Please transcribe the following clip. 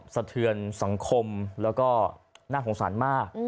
สะเทือนสังคมแล้วก็น่าสงสารมาก